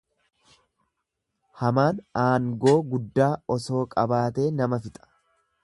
Hamaan aangoo guddaa osoo qabaatee nama fixa.